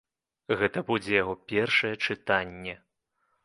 Гэта будзе яго першае чытанне.